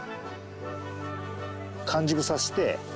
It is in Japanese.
完熟させて。